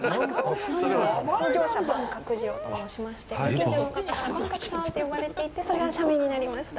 創業者、坂角次郎と申しまして近所の方から坂角さんと呼ばれていて、それが社名になりました。